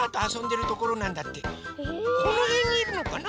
このへんにいるのかな？